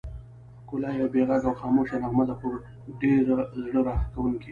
ښکلا یوه بې غږه او خاموشه نغمه ده، خو ډېره زړه راښکونکې.